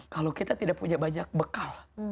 kalau kita tidak punya banyak bekal